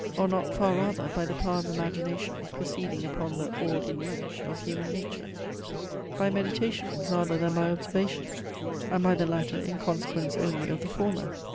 Or not far rather by the power of imagination proceeding upon the all in each of human nature? By meditation, rather than by observation? And by the latter in consequence only of the former?